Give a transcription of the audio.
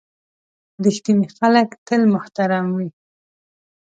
• رښتیني خلک تل محترم وي.